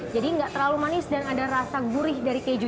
jadi tidak terlalu manis dan ada rasa gurih dari keju